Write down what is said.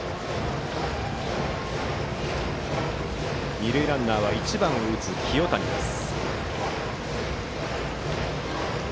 二塁ランナーは１番を打つ清谷です。